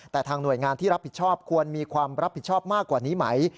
แต่ทางหน่วยงานที่รับผิดชอบควรมีความรับผิดชอบมากกว่านี้ไหม